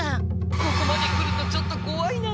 ここまで来るとちょっとこわいなあ。